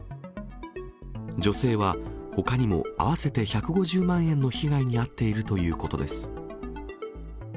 女性は、ほかにも合わせて１５０万円の被害に遭っているということです。